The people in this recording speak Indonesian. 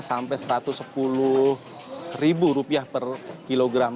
sampai satu ratus sepuluh rupiah per kilogram